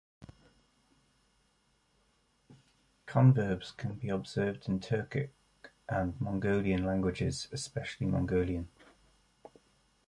Converbs can be observed in Turkic and Mongolian languages, especially Mongolian.